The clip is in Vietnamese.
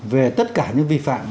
về tất cả những vi phạm